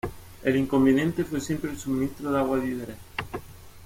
El inconveniente fue siempre el suministro de agua y víveres.